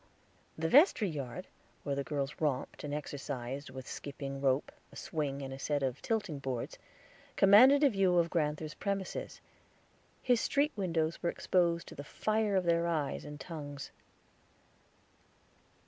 The vestry yard, where the girls romped, and exercised with skipping ropes, a swing, and a set of tilting boards, commanded a view of grand'ther's premises; his street windows were exposed to the fire of their eyes and tongues.